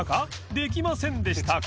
できませんでしたか？